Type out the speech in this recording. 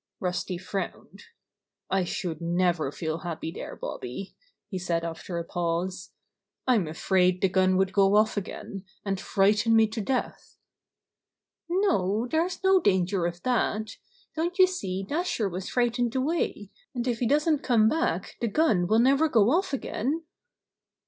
Rusty frowned. "I should never feel happy there, Bobby," he said after a pause. "I'm afraid the gun would go off again, and frighten me to death." "No, there's no danger of that. Don't you see Dasher was frightened away, and if he doesn't come gack the gun will never go ofi again?"